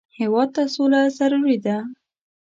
هېواد ته سوله ضروري ده